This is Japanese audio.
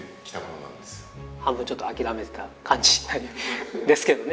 半分ちょっと諦めてた感じですけどね